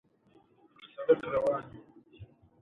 حکومت باید په دوبي کي دوا پاشي وکي.